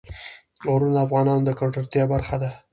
غرونه د افغانانو د ګټورتیا برخه ده.